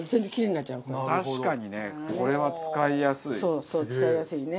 そうそう使いやすいね。